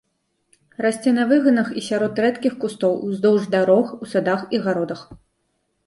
Расце на выганах і сярод рэдкіх кустоў, уздоўж дарог, у садах і гародах.